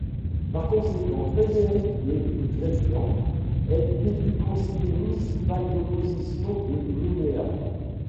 Par conséquent, Frédéric de Greslan est élu conseiller municipal d’opposition de Nouméa.